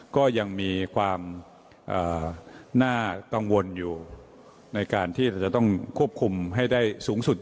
ก็ยังมีความน่ากังวลอยู่ในการที่เราจะต้องควบคุมให้ได้สูงสุด